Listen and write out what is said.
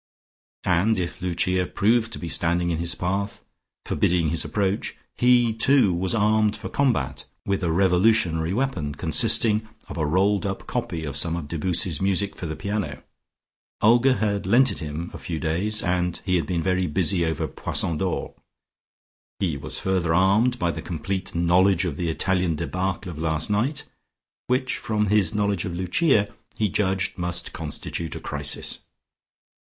And if Lucia proved to be standing in his path, forbidding his approach, he, too, was armed for combat, with a revolutionary weapon, consisting of a rolled up copy of some of Debussy's music for the piano Olga had lent it him a few days, and he had been very busy over "Poissons d'or." He was further armed by the complete knowledge of the Italian debacle of last night, which, from his knowledge of Lucia, he judged must constitute a crisis.